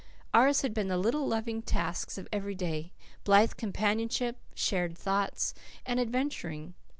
Ours had been the little, loving tasks of every day, blithe companionship, shared thoughts, and adventuring.